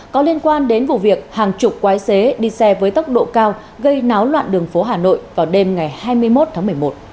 có liên quan đến vụ việc hàng chục quái xế đi xe với tốc độ cao gây náo loạn đường phố hà nội vào đêm ngày hai mươi một tháng một mươi một